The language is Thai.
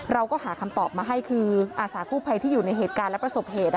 เราก็หาคำตอบมาให้คืออาสากู้ภัยที่อยู่ในเหตุการณ์และประสบเหตุ